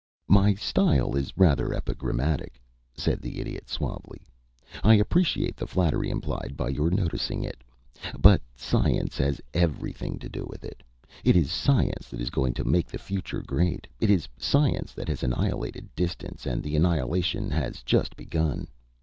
"My style is rather epigrammatic," said the Idiot, suavely. "I appreciate the flattery implied by your noticing it. But science has everything to do with it. It is science that is going to make the future great. It is science that has annihilated distance, and the annihilation has just begun.